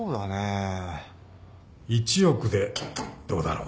１億でどうだろう？